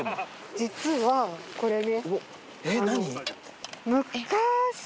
実はこれね。